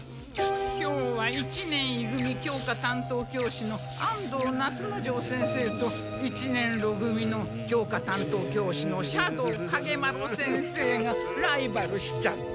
今日は一年い組教科担当教師の安藤夏之丞先生と一年ろ組の教科担当教師の斜堂影麿先生がライバルしちゃって。